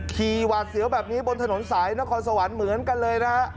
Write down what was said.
หวาดเสียวแบบนี้บนถนนสายนครสวรรค์เหมือนกันเลยนะฮะ